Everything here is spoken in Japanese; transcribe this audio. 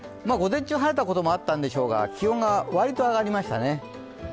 午前中晴れたこともあったんでしょうが、気温が割と上がりましたね。